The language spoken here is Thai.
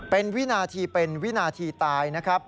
เป็นวินาทีเป็นวินาทีตายนะครับ